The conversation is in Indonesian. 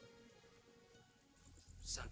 mari saya hantar